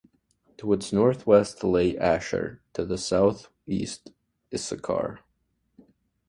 To its northwest lay Asher, to the southeast Issachar.